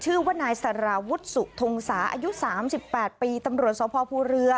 ชื่อว่านายสารวุฒิสุธงศาอายุ๓๘ปีตำรวจสภภูเรือ